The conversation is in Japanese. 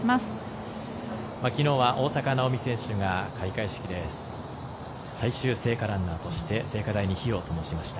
きのうは大坂なおみ選手が開会式で最終聖火ランナーとして聖火台に火をともしました。